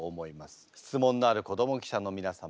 質問のある子ども記者の皆様